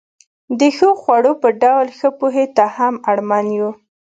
د ښو خوړو په ډول ښې پوهې ته هم اړمن یو.